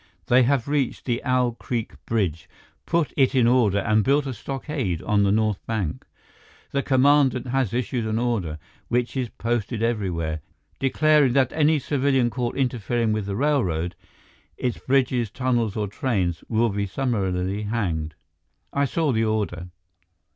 They have reached the Owl Creek bridge, put it in order and built a stockade on the north bank. The commandant has issued an order, which is posted everywhere, declaring that any civilian caught interfering with the railroad, its bridges, tunnels, or trains will be summarily hanged. I saw the order."